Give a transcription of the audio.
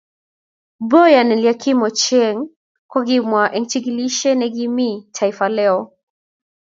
Boyon Eliakim Ochieng, ko kimwa eng chikilishe ne kimii Taifa Leo.